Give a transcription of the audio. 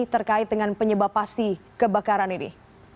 terkait dengan penyebab pasti kebakaran ini